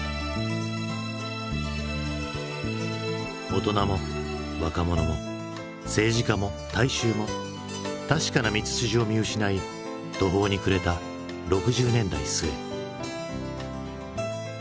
大人も若者も政治家も大衆も確かな道筋を見失い途方に暮れた６０年代末。